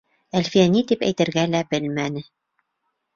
Әлфиә ни тип әйтергә лә белмәне.